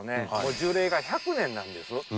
樹齢が１００年なんです。